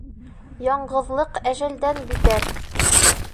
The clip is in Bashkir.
Яңғыҙлыҡ әжәлдән битәр.